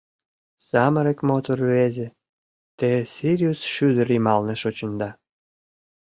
Самырык мотор рвезе, те сириус шӱдыр йымалне шочында.